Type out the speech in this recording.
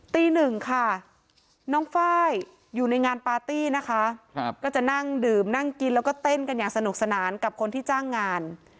ตีหนึ่งค่ะน้องไฟล์อยู่ในงานปาร์ตี้นะคะก็จะนั่งดื่มนั่งกินแล้วก็เต้นกันอย่างสนุกสนานกับคนที่จ้างงาน